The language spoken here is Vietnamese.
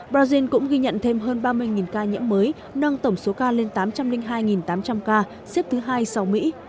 brazil cũng ghi nhận thêm hơn ba mươi ca nhiễm mới nâng tổng số ca lên tám trăm linh hai tám trăm linh ca xếp thứ hai sau mỹ